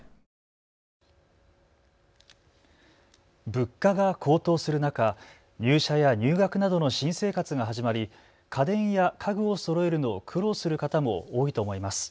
物価が高騰する中、入社や入学などの新生活が始まり家電や家具をそろえるのを苦労する方も多いと思います。